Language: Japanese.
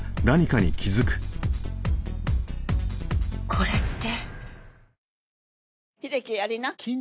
これって。